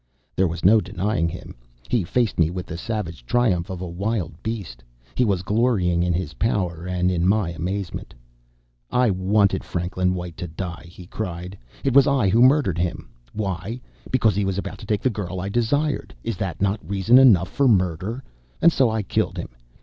There was no denying him. He faced me with the savage triumph of a wild beast. He was glorying in his power, and in my amazement. "I wanted Franklin White to die!" he cried. "It was I who murdered him. Why? Because he was about to take the girl I desired. Is that not reason enough for murder? And so I killed him.